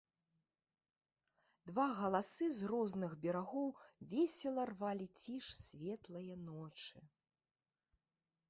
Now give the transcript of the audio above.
Два галасы з розных берагоў весела рвалі ціш светлае ночы.